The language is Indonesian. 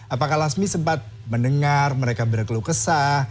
apakah lasmi sempat mendengar mereka berkeluh kesah